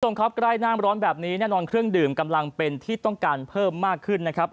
คุณผู้ชมครับใกล้น้ำร้อนแบบนี้แน่นอนเครื่องดื่มกำลังเป็นที่ต้องการเพิ่มมากขึ้นนะครับ